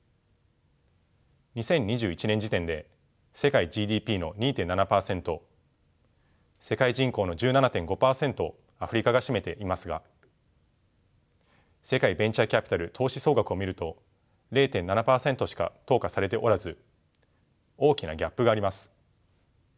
２０２１年時点で世界ＧＤＰの２．７％世界人口の１７．５％をアフリカが占めていますが世界ベンチャーキャピタル投資総額を見ると０．７％しか投下されておらず大きなギャップがあります。